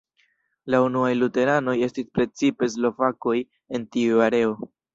La unuaj luteranoj estis precipe slovakoj en tiu areo.